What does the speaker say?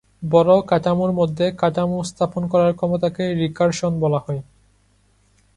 বড় কাঠামোর মধ্যে কাঠামো স্থাপন করার ক্ষমতাকে রিকারশন বলা হয়।